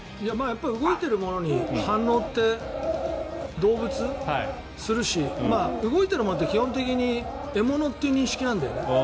動いているものに反応って動物、するし動いているものって基本的に獲物っていう認識なんだよね